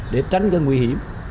để tránh cái nguy hiểm